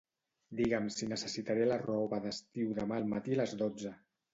Digue'm si necessitaré la roba d'estiu demà al matí a les dotze.